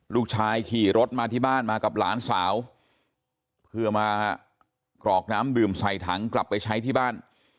ขี่รถมาที่บ้านมากับหลานสาวเพื่อมากรอกน้ำดื่มใส่ถังกลับไปใช้ที่บ้าน